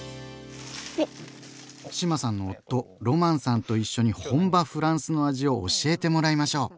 志麻さんの夫ロマンさんと一緒に本場フランスの味を教えてもらいましょう。